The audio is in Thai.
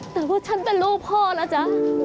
แต่ว่าฉันเป็นลูกพ่อแล้วจ๊ะ